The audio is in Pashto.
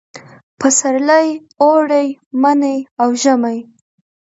پسرلي، اوړي، مني او ژمي